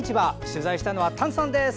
取材したのは丹さんです。